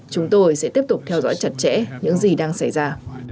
chúng tôi sẽ tiếp tục theo dõi chặt chẽ những gì đang xảy ra